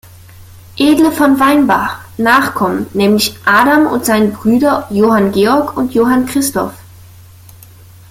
Edle von Weinbach, Nachkommen, nämlich Adam und seine Brüder Johann Georg und Johann Christoph.